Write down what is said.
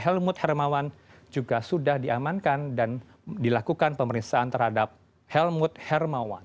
helmut hermawan juga sudah diamankan dan dilakukan pemeriksaan terhadap helmut hermawan